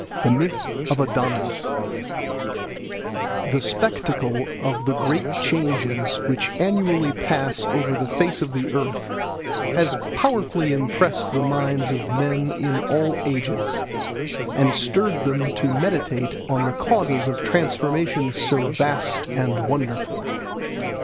The Myth of Adonis THE SPECTACLE of the great changes which annually pass over the face of the earth has powerfully impressed the minds of men in all ages, and stirred them to meditate on the causes of transformations so vast and wonderful.